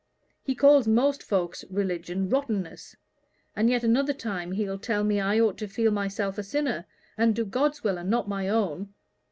He calls most folks's religion rottenness; and yet another time he'll tell me I ought to feel myself a sinner, and do God's will and not my own.